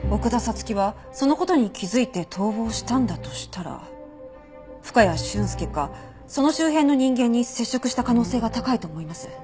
月はその事に気づいて逃亡したんだとしたら深谷俊介かその周辺の人間に接触した可能性が高いと思います。